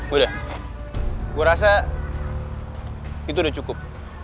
udah gue rasa itu udah cukup